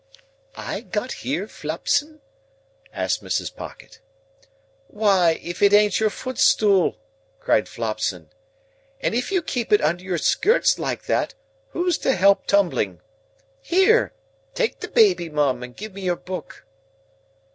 "I got here, Flopson?" asked Mrs. Pocket. "Why, if it ain't your footstool!" cried Flopson. "And if you keep it under your skirts like that, who's to help tumbling? Here! Take the baby, Mum, and give me your book."